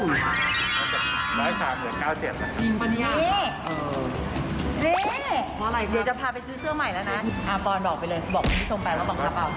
จริงป่ะเนี่ยเออนี่นี่เดี๋ยวจะพาไปซื้อเสื้อใหม่แล้วนะอ่ะปอนด์บอกไปเลยบอกคุณผู้ชมไปแล้วปอนด์กลับเอา